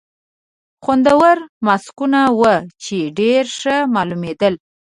خوندور ماسکونه وو، چې ډېر ښه معلومېدل.